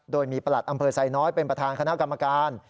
โดยมีประหลัดอำเภอไซน้อยเป็นประธานคณะกรรมการ